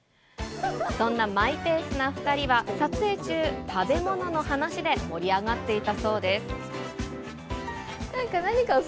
そんなマイペースな２人は、撮影中、食べ物の話で盛り上がっていたそうです。